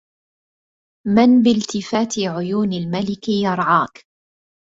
من بالتفاتِ عيونِ الملك يَرعاك